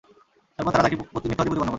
তারপর তারা তাকে মিথ্যাবাদী প্রতিপন্ন করে।